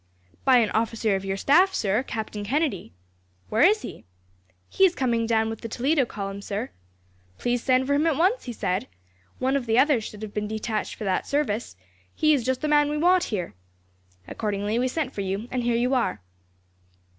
"'By an officer of your staff, sir, Captain Kennedy.' "'Where is he?' "'He is coming down with the Toledo column, sir.' "'Please send for him at once,' he said. 'One of the others should have been detached for that service. He is just the man we want here.' "Accordingly we sent for you, and here you are."